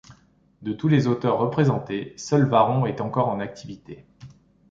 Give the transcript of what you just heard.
De tous les auteurs représentés, seul Varron est encore en activité.